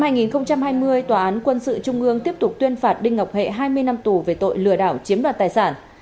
năm hai nghìn hai mươi tòa án quân sự trung ương tiếp tục tuyên phạt đinh ngọc hệ hai mươi năm tù về tội lừa đảo chiếm đoạt tài sản